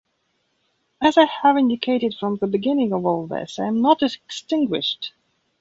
As I have indicated from the beginning of all this, I am not extinguished!